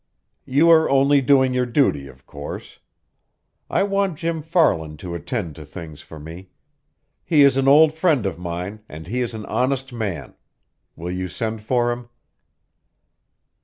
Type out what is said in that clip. "You are only doing your duty, of course. I want Jim Farland to attend to things for me. He is an old friend of mine and he is an honest man. Will you send for him?"